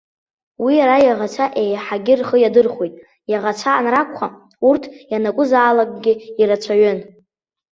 Уи иара иаӷацәа еиҳагьы рхы иадырхәеит, иаӷацәа анракәха, урҭ ианакәызаалакгьы ирацәаҩын.